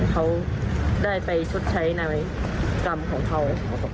เขาได้ไปชดใช้ในกรรมของเขา